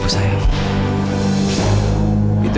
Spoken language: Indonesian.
aku mau berhenti